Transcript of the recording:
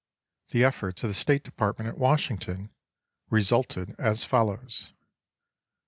The efforts of the State Department at Washington resulted as follows: i.